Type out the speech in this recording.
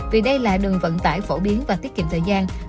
vì đây là đường vận tải phổ biến và tiết kiệm thời gian